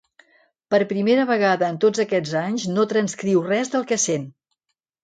Per primera vegada en tots aquests anys no transcriu res del que sent.